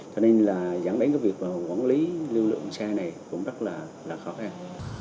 cho nên dẫn đến việc quản lý lưu lượng xe này cũng rất là khó khăn